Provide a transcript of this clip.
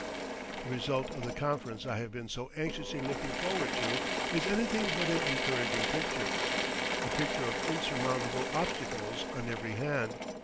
The result of the conference I have been so anxiously looking forward to is anything but an encouraging picture a picture of insurmountable obstacles on every hand.